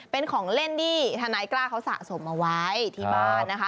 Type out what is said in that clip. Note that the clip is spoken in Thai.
เป็นของเล่นที่ทนายกล้าเขาสะสมเอาไว้ที่บ้านนะคะ